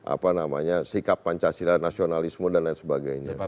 apa namanya sikap pancasila nasionalisme dan lain sebagainya